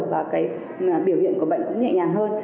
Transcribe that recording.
và cái biểu hiện của bệnh cũng nhẹ nhàng hơn